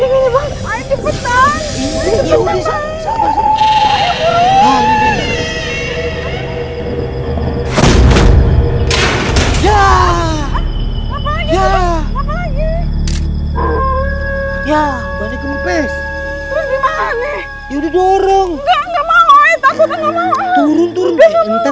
sampai jumpa di video selanjutnya